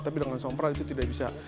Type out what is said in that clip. tapi dengan somprot itu tidak bisa